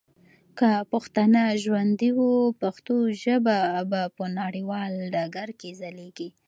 که پښتانه ژوندي وه ، پښتو ژبه به په نړیوال ډګر کي ځلیږي.